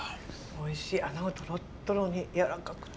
おいしい穴子とろっとろにやわらかくて。